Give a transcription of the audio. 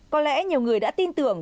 có lẽ nhiều người đã tin tưởng